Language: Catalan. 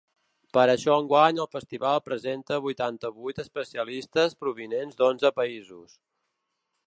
Per això enguany el festival presenta vuitanta-vuit especialistes provinents d’onze països.